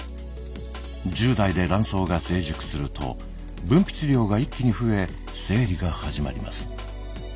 １０代で卵巣が成熟すると分泌量が一気に増え生理が始まります。